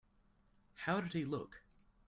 How did he look?